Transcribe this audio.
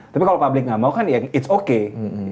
tapi kalau publik nggak mau kan ya it s okay